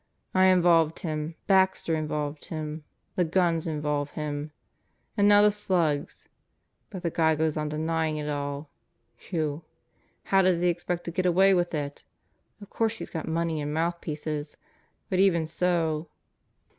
"I involved him. Baxter involved him. The guns involve him. And now the slugs. God Gathers His Instruments 15 Yet the guy goes on denying it all. Whew! How does he expect to get away with it? Of course he's got money and mouthpieces. But even so